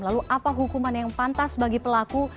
lalu apa hukuman yang pantas bagi pelaku